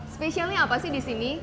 spesialnya apa sih di sini